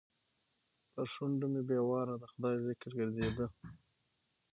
پر شونډو مې بې واره د خدای ذکر ګرځېده.